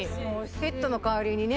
ペットの代わりにね。